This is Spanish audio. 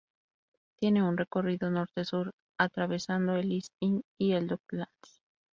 Tiene un recorrido norte-sur atravesando el East End y el Docklands.